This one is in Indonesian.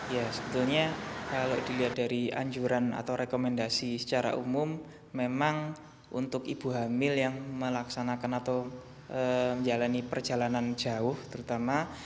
ya sebetulnya kalau dilihat dari anjuran atau rekomendasi secara umum memang untuk ibu hamil yang melaksanakan atau menjalani perjalanan jauh terutama